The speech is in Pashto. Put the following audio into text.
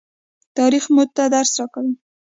تاریخ موږ ته درس راکوي.